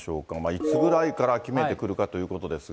いつぐらいから秋めいてくるかということですが。